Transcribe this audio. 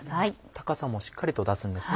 高さもしっかりと出すんですね。